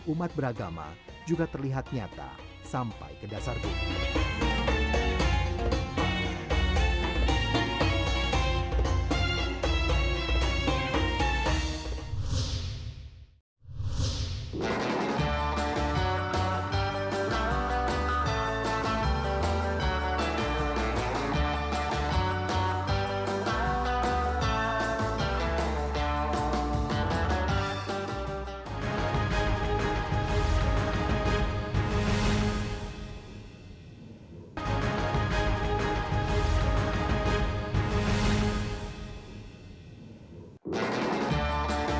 dan umat beragama juga terlihat nyata sampai ke dasar dunia